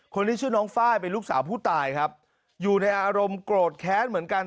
คนที่ชื่อน้องไฟล์เป็นลูกสาวผู้ตายครับอยู่ในอารมณ์โกรธแค้นเหมือนกัน